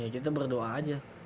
ya kita berdoa aja